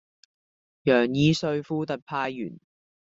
楊義瑞副特派員